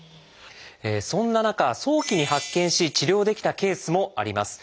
そんな中早期に発見し治療できたケースもあります。